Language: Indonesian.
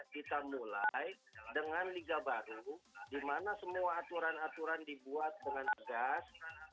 kita mulai dengan liga baru di mana semua aturan aturan dibuat dengan tegas